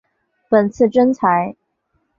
本次征才